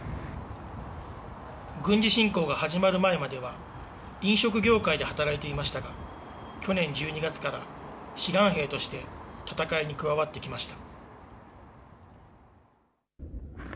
軍事侵攻が始まる前までは、飲食業界で働いていましたが、去年１２月から志願兵として戦いに加わってきました。